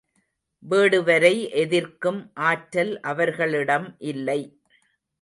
வேடுவரை எதிர்க்கும் ஆற்றல் அவர்களிடம் இல்லை.